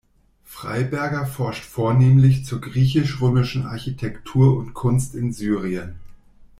Freyberger forscht vornehmlich zur griechisch-römischen Architektur und Kunst in Syrien.